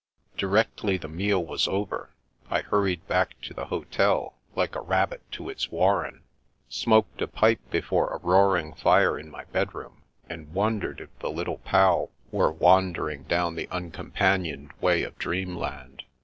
Directly the meal was over, I hurried back to the hotel, like a rabbit to its warren; smoked a pipe before a roaring fire in my bedroom, and wondered if the Little Pal were wandering "down the un companioned way" of dreamland.